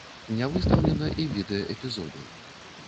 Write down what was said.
Не выстаўлена і відэа эпізоду.